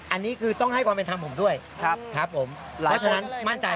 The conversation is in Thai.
อันนี้คือต้องให้ความเป็นธรรมผมด้วยครับครับผมเพราะฉะนั้นมั่นใจ